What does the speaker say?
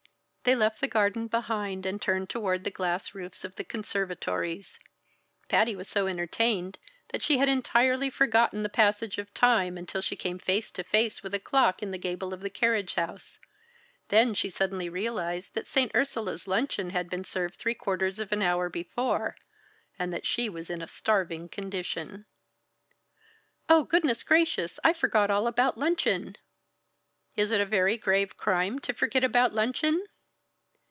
They left the garden behind, and turned toward the glass roofs of the conservatories. Patty was so entertained, that she had entirely forgotten the passage of time, until she came face to face with a clock in the gable of the carriage house; then she suddenly realized that St. Ursula's luncheon had been served three quarters of an hour before and that she was in a starving condition. "Oh, goodness gracious! I forgot all about luncheon!" "Is it a very grave crime to forget about luncheon?"